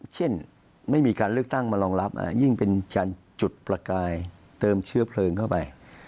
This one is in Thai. เช่นไม่มีการเลือกตั้งมารองรับยิ่งเป็นการจุดประกายเติมเชื้อเพลิงเข้าไป